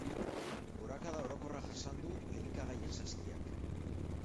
Gorakada orokorra jasan du elikagaien saskiak.